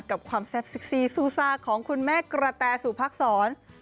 กับความแซ่บซิกซีซูซากของคุณแม่กระแต่สู่พรรคศร